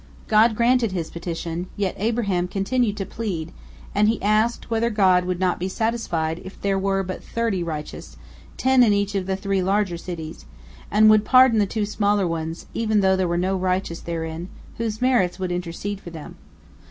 God granted his petition, yet Abraham continued to plead, and he asked whether God would not be satisfied if there were but thirty righteous, ten in each of the three larger cities, and would pardon the two smaller ones, even though there were no righteous therein, whose merits would intercede for them.